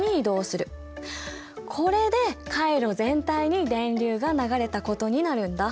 これで回路全体に電流が流れたことになるんだ。